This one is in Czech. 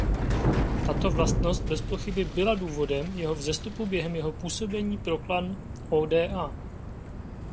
Tato vlastnost bezpochyby byla důvodem jeho vzestupu během jeho působení pro klan Oda.